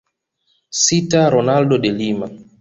Sita Ronaldo de Lima